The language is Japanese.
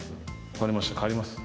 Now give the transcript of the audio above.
分かりました。